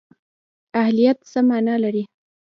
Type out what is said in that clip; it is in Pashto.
اهلیت څه مانا لري؟